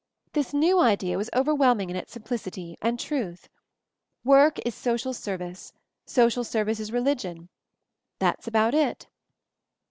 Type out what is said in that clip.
This new idea was overwhelming in its simplicity — and truth; work is social service— social \ service is religion — that's about it."